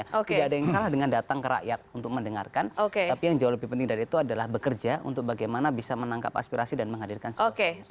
tidak ada yang salah dengan datang ke rakyat untuk mendengarkan tapi yang jauh lebih penting dari itu adalah bekerja untuk bagaimana bisa menangkap aspirasi dan menghadirkan